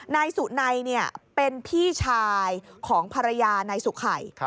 นายสุนัยเป็นพี่ชายของภรรยานายสุไข่